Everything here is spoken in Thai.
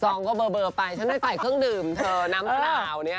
องก็เบอร์ไปฉันไม่ใส่เครื่องดื่มเธอน้ำเปล่าเนี่ย